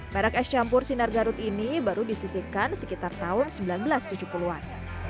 merek es campur sinar garut ini baru disisipkan sekitar tahun seribu sembilan ratus tujuh puluh an